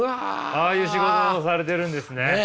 ああいう仕事をされてるんですね。